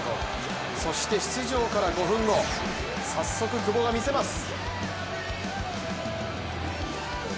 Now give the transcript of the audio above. そして出場から５分後早速、久保が見せます！